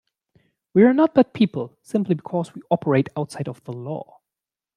We are not bad people simply because we operate outside of the law.